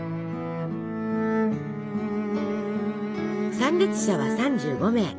参列者は３５名。